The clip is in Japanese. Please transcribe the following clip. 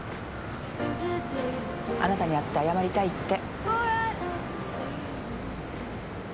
あなたに会って謝りたいって。